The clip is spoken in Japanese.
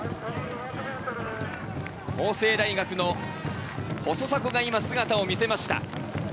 法政大学の細迫が姿を見せました。